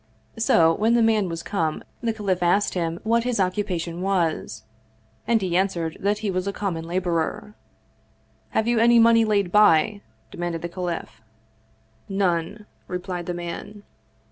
So, when the man was come, the caliph asked him what his occupation was, and he answered that he was a com mon laborer. " Have you any money laid by? " demanded the caliph. "None," replied the man.